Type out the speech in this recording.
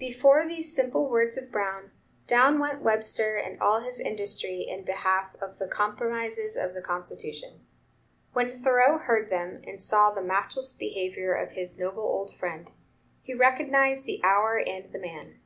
Before these simple words of Brown, down went Webster and all his industry in behalf of the "compromises of the Constitution." When Thoreau heard them, and saw the matchless behavior of his noble old friend, he recognized the hour and the man.